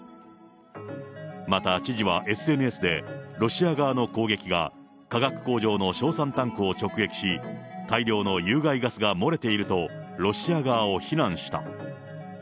また知事はＳＮＳで、ロシア側の攻撃が化学工場の硝酸タンクを直撃し、大量の有害ガスが漏れていると、ロシア側を非難した。